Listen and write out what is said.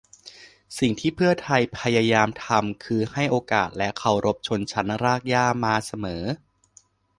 สิ่งที่เพื่อไทยพยายามทำคือให้โอกาสและเคารพชนชั้นรากหญ้ามาเสมอ